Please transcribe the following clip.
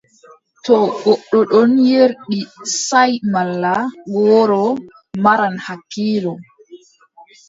To goɗɗo ɗon yerdi saaʼi malla gooro, maran hakkiilo.